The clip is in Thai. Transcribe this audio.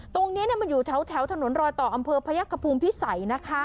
ตรงนี้เนี่ยมันอยู่แถวถนนรอยต่ออำเภอภัยักษ์กระพุมพี่ไส